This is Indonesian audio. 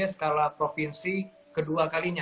skala provinsi kedua kalinya